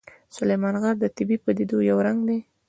سلیمان غر د طبیعي پدیدو یو رنګ دی.